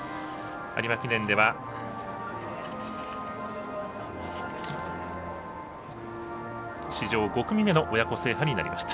有馬記念では史上５組目の親子制覇になりました。